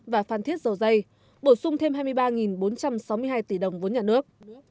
và phan thiết dầu dây bổ sung thêm hai mươi ba bốn trăm sáu mươi hai tỷ đồng vốn nhà nước